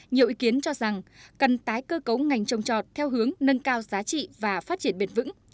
nhiều ý kiến cho rằng cần tái cơ cấu ngành trồng trọt theo hướng nâng cao giá trị và phát triển bền vững